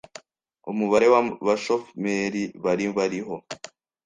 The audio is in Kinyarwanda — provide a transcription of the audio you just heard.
umubare w'abashomeri bari bariho